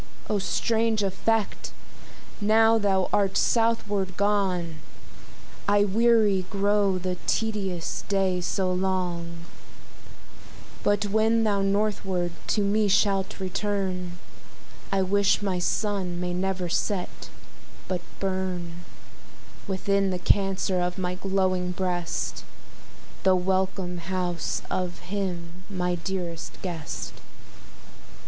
O strange effect! now thou art southward gone, I weary grow the tedious day so long; But when thou northward to me shalt return, I wish my Sun may never set, but burn Within the Cancer of my glowing breast, The welcome house of him my dearest guest.